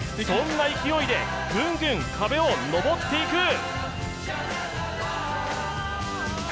そんな勢いでグングン壁を登っていく。